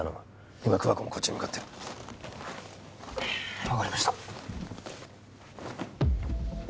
今桑子もこっち向かってる分かりました